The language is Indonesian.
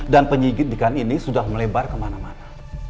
dan penyigit di kan ini sudah melebar ke mana mana